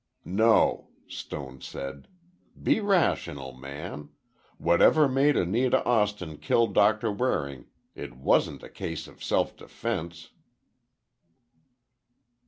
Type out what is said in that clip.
"No," Stone said; "be rational, man, whatever made Anita Austin kill Doctor Waring, it wasn't a case of self defense."